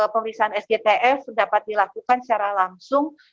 pemeriksaan sgtf dapat dilakukan secara langsung